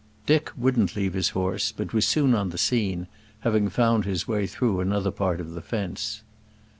Dick wouldn't leave his horse, but was soon on the scene, having found his way through another part of the fence.